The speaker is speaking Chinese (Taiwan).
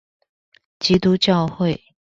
基督教會